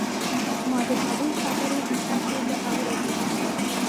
ما د هغوی خبرې په ښه توګه اورېدلې